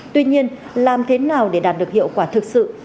tuy nhiên làm thế nào để đạt được hiệu quả thực sự